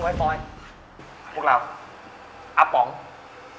แม้สิ้นลมหายใจก็รักเธอ